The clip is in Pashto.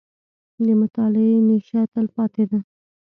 • د مطالعې نیشه، تلپاتې ده.